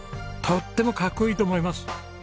とってもかっこいいと思います。